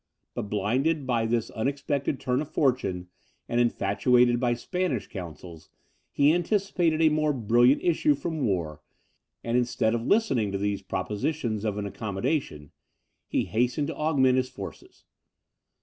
But blinded by this unexpected turn of fortune, and infatuated by Spanish counsels, he anticipated a more brilliant issue from war, and, instead of listening to these propositions of an accommodation, he hastened to augment his forces.